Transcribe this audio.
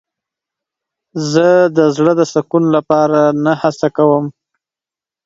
زه د زړه د سکون لپاره نه هڅه کوم.